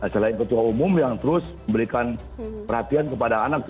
selain ketua umum yang terus memberikan perhatian kepada anak